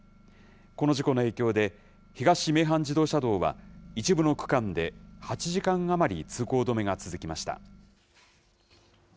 この事故の影響で、東名阪自動車道は、一部の区間で８時間余り通行止めが続きました。